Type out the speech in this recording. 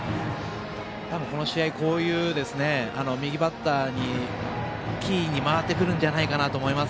多分、この試合こういう、右バッターにキーに回ってくるんじゃないかなと思います。